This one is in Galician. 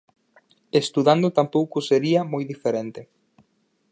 Estudando tampouco sería moi diferente.